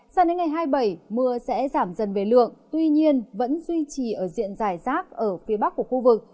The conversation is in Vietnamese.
sao đến ngày hai mươi bảy mưa sẽ giảm dần về lượng tuy nhiên vẫn duy trì ở diện dài rác ở phía bắc của khu vực